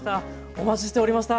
お待ちしておりました。